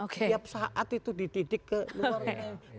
tiap saat itu dididik ke luar negeri